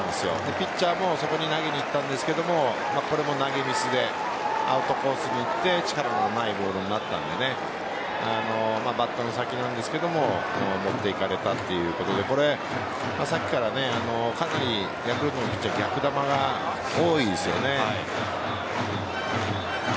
ピッチャーもそこに投げにいったんですがこれも投げミスでアウトコースにいって力のないボールになったのでバットの先なんですが持っていかれたということでさっきからかなりヤクルトのピッチャー逆球が多いですよね。